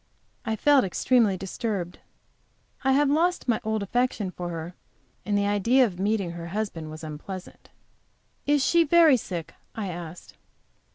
I felt extremely disturbed. I have lost my old affection for her, and the idea of meeting her husband was unpleasant. "Is she very sick?" I asked.